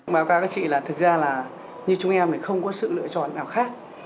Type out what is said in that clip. báo cáo các chị là thực ra là như chúng em thì không có sự lựa chọn nào khác